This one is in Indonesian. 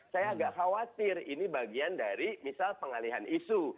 saya agak khawatir ini bagian dari misal pengalihan isu